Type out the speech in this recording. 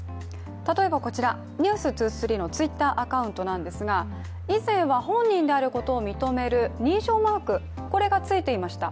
例えばこちら、「ｎｅｗｓ２３」のＴｗｉｔｔｅｒアカウントなんですが以前は本人であることを認める認証マーク、これがついていました。